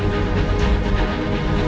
malin jangan lupa